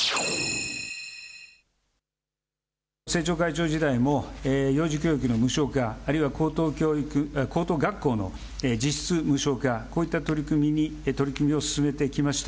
政調会長時代も幼児教育の無償化、あるいは高等学校の実質無償化、こういった取り組みを進めてきました。